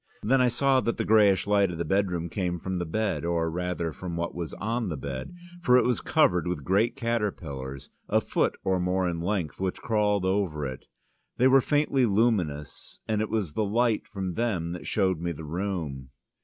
Then I saw that the greyish light of the bedroom came from the bed, or rather from what was on the bed. For it was covered with great caterpillars, a foot or more in length, which crawled over it. They were faintly luminous, and it was the light from them that showed me the room.